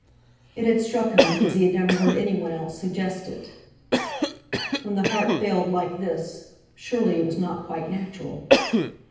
It had struck him because he had never heard any one else suggest it. When the heart failed like this—surely it was not quite natural!